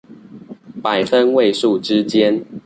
百分位數之間